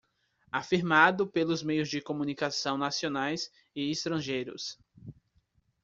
Afirmado pelos meios de comunicação nacionais e estrangeiros